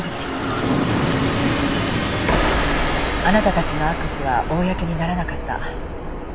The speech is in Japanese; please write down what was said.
あなたたちの悪事は公にならなかった。